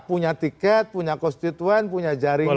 punya tiket punya konstituen punya jaringan